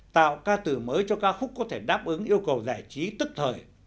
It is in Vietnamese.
tạo ca từ mới cho ca khúc có thể đáp ứng yêu cầu giải trí tức thời